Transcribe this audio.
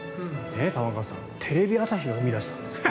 玉川さん、テレビ朝日が生み出したんですよ。